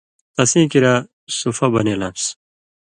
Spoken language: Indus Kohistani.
تسیں کریا صُفہ بنېلان٘س۔